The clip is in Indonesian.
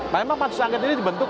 memang pansus angket ini dibentuk